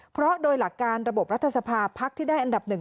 เพราะโดยหลักการระบบรัฐสภาพักที่ได้อันดับหนึ่ง